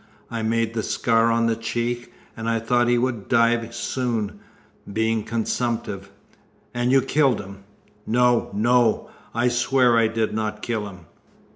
I made the scar on the cheek, and I thought he would die soon, being consumptive." "And you killed him?" "No! No! I swear I did not kill him!"